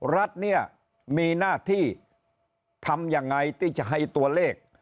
รัฐเนี่ยมีหน้าที่ทำยังไงที่จะให้ตัวเลข